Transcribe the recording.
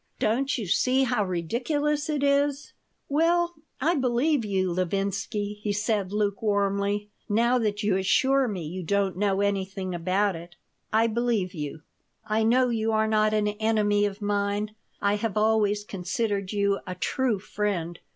Don't you see how ridiculous it is?" "Well, I believe you, Levinsky," he said, lukewarmly. "Now that you assure me you don't know anything about it, I believe you. I know you are not an enemy of mine. I have always considered you a true friend.